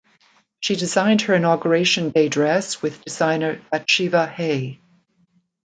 She designed her inauguration day dress with designer Batsheva Hay.